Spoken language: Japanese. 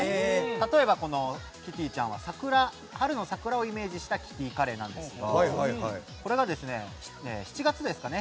例えば、キティちゃんは春の桜をイメージしたキティカレーなんですけどこれが７月ですかね。